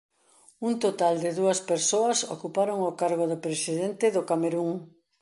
Un total de dúas persoas ocuparon o cargo de presidente do Camerún.